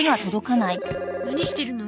何してるの？